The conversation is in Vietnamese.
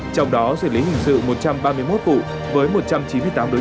trong đó xử lý hình sự một trăm ba mươi một vụ với một trăm chín mươi tám đối tượng